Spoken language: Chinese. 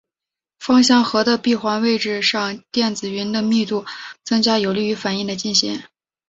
芳香核的闭环位置上电子云的密度增加有利于反应的进行。